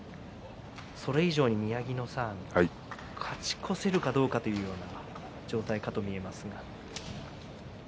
それ以上に宮城野さん勝ち越せるかどうかという状態かと見えますが。